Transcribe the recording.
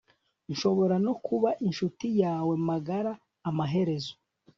nshobora no kuba inshuti yawe magara amaherezo